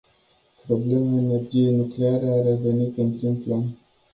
Problema energiei nucleare a revenit în prim plan.